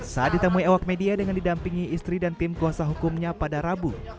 saat ditemui awak media dengan didampingi istri dan tim kuasa hukumnya pada rabu